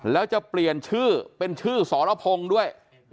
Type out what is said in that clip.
แล้วจะเปลี่ยนชื่อเป็นชื่อสรพงศ์ด้วย